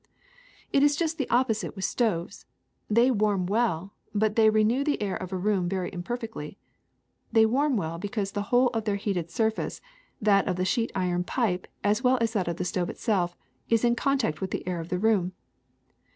^^It is just the opposite with stoves: they warm well, but they renew the air of a room very im perfectly. They warm well because the whole of their heated surface, that of the sheet iron pipe as w^ell as that of the stove itself, is in contact with the air of the room.